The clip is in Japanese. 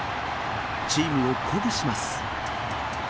チームを鼓舞します。